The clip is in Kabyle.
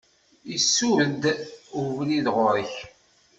Isudd ubrid ɣur-k.